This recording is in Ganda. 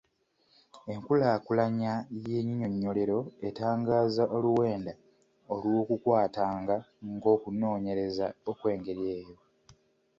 Enkulaakulanya y’ennyinyonnyolero etangaaza oluwenda olw’okukwatanga ng’okunoonyereza okw’engeri eyo.